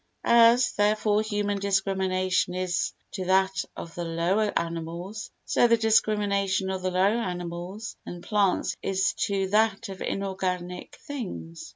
As, therefore, human discrimination is to that of the lower animals, so the discrimination of the lower animals and plants is to that of inorganic things.